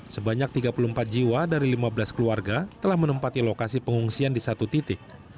sebanyak tiga puluh empat jiwa dari lima belas keluarga telah menempati lokasi pengungsian di satu titik